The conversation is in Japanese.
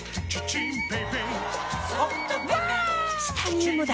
チタニウムだ！